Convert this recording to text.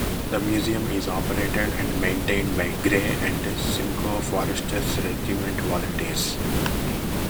The museum is operated and maintained by Grey and Simcoe Foresters Regiment volunteers.